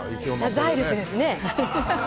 財力ですね！